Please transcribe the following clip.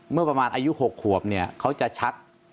เมื่อประมาณอายุ๖ขวบเนี่ยเขาจะชัก